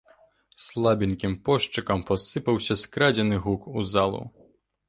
Слабенькім пошчакам пасыпаўся скрадзены гук у залу.